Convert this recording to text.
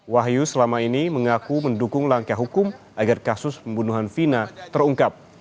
wahyu selama ini mengaku mendukung langkah hukum agar kasus pembunuhan vina terungkap